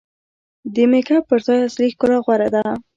د میک اپ پر ځای اصلي ښکلا غوره ده.